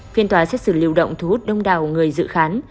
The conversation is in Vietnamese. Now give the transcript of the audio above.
phiên tòa xét xử liều động thu hút đông đào người dự khán